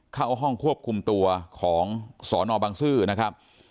เข้าห้องควบคุมตัวของสนบังซื้อนะครับ